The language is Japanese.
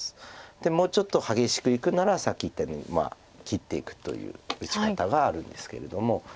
もうちょっと激しくいくならさっき言ったように切っていくという打ち方があるんですけれども。